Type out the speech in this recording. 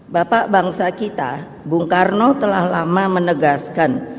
bapak bangsa kita bung karno telah lama menegaskan